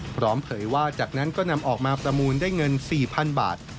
เผยว่าจากนั้นก็นำออกมาประมูลได้เงิน๔๐๐๐บาท